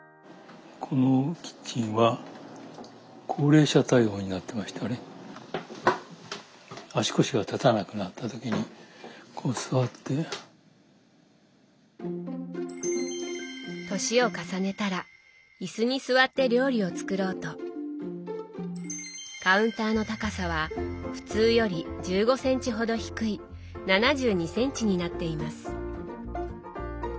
このキッチンは年を重ねたら椅子に座って料理を作ろうとカウンターの高さは普通より１５ｃｍほど低い７２ｃｍになっています。